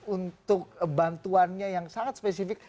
untuk bantuannya yang sangat spesifik